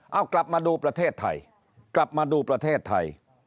เอ้ากลับมาดูประเทศไทย